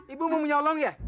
ibu mau menyolong ya